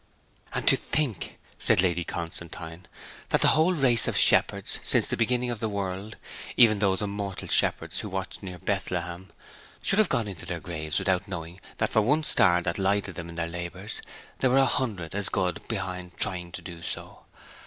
'And to think,' said Lady Constantine, 'that the whole race of shepherds, since the beginning of the world, even those immortal shepherds who watched near Bethlehem, should have gone into their graves without knowing that for one star that lighted them in their labours, there were a hundred as good behind trying to do so!